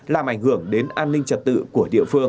làm ảnh hưởng đến an ninh trật tự của địa phương